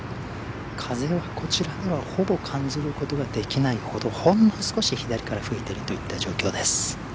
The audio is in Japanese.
風はこちらではほぼ感じることができないほどほんの少し左から吹いているといった状況です。